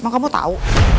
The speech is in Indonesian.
emang kamu tau